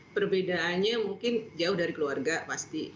perbedaannya mungkin jauh dari keluarga pasti